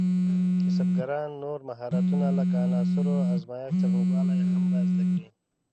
کسبګران نور مهارتونه لکه د عناصرو ازمېښت څرنګوالي هم باید زده کړي.